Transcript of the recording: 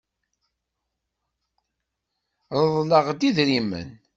Reḍḍleɣ-d idrimen.